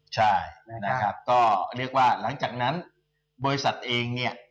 ใช่หลังจากนั้นบริษัทเองเนี่ย